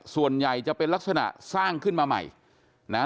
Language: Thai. ส่วนใหญ่จะเป็นลักษณะสร้างขึ้นมาใหม่นะฮะ